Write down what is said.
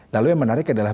lalu yang menarik adalah